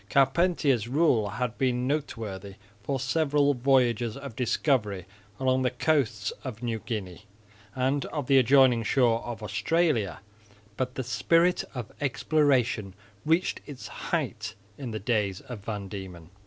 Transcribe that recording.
Carpentier's rule had been noteworthy for several voyages of discovery along the coasts of New Guinea and of the adjoining shore of Australia, but the spirit of exploration reached its height in the days of Van Diemen.